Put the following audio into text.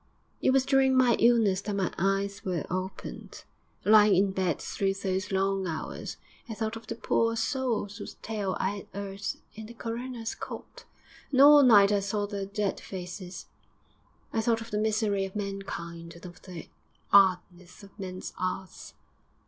'It was during my illness that my eyes were opened. Lying in bed through those long hours I thought of the poor souls whose tale I 'ad 'eard in the coroner's court. And all night I saw their dead faces. I thought of the misery of mankind and of the 'ardness of men's 'earts....